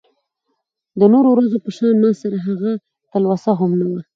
د نورو ورځو په شان ماسره هغه تلوسه هم نه وه .